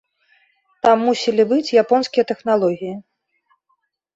Там мусілі быць японскія тэхналогіі.